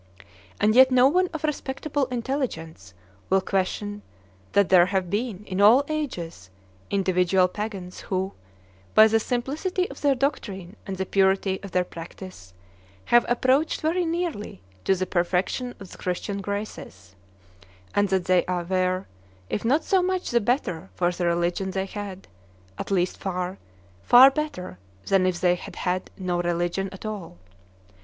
And yet no one of respectable intelligence will question that there have been, in all ages, individual pagans who, by the simplicity of their doctrine and the purity of their practice, have approached very nearly to the perfection of the Christian graces; and that they were, if not so much the better for the religion they had, at least far, far better than if they had had no religion at all.